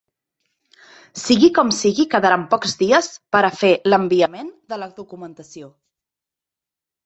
Sigui com sigui, quedaran pocs dies per a fer l’enviament de la documentació.